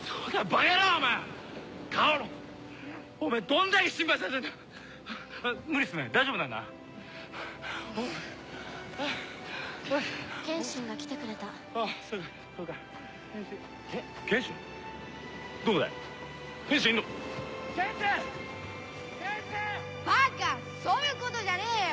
バカそういうことじゃねえよ！